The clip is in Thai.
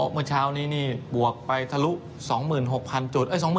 อ๋อเมื่อเช้านี้นี่บวกไปทะลุ๒๖๐๐๐จุดเอ้ย๒๔๐๐๐จุด